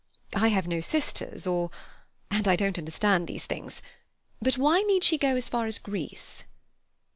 I have no sisters or—and I don't understand these things. But why need she go as far as Greece?"